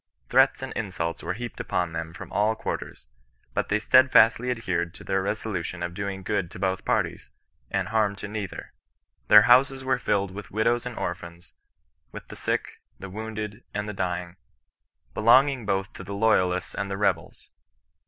Threats and insults were heaped upon them from all quarters ; but they steadfastly adhered to their resolution of doing good to both parties, and harm to neither. Their houses were filled with widows and orphans, with the sick, the wounded, and the dying, belonging both to the loyalists and the rebels.